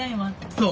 そう。